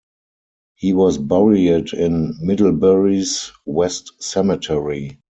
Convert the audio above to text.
He was buried in Middlebury's West Cemetery.